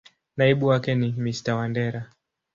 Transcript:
Naibu wake ni Mr.Wandera.